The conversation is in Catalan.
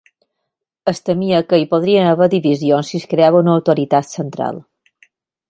Es temia que hi podrien haver divisions si es creava una autoritat central.